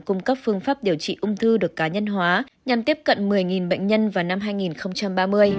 cung cấp phương pháp điều trị ung thư được cá nhân hóa nhằm tiếp cận một mươi bệnh nhân vào năm hai nghìn ba mươi